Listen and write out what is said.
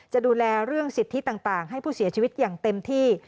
จะดูแลเรื่องสิทธิต่างให้ผู้เสียชีวิตอย่างเต็มที่